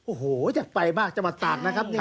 โอ้โฮอยากไปมากจะมาตากนะครับ